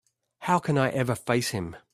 How can I ever face him?